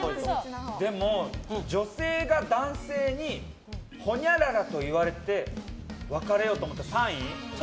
でも、女性が男性にほにゃららと言われて別れようと思った、３位。